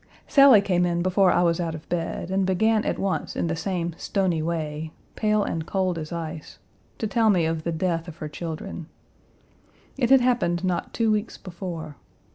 Sally came in before I was out of bed, and began at once in the same stony way, pale and cold as ice, to tell me of the death of her children. It had happened not two weeks before.